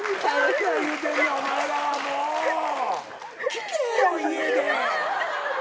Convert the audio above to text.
聞けよ家で。